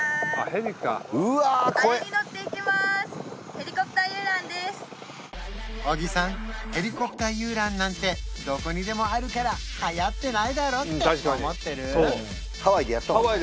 ヘリコプター遊覧なんてどこにでもあるからはやってないだろって思ってる？